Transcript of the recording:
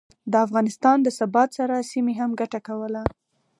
د افغانستان د ثبات سره، سیمې هم ګټه کوله